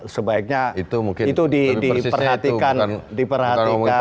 sebaiknya ini menurut saya yang dibahas kalau rupiah tapi bukan ini nah hasto menyampaikan bahwa